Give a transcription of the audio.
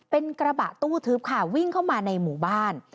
เป็นกระบะตู้ทึบค่ะวิ่งเข้ามาในหมู่บ้าน